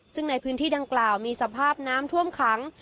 ซึ่งในพื้นที่ดังกล่าวมีสภาพน้ำท่วมขัง